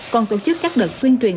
còn tổ chức các đợt tuyên truyền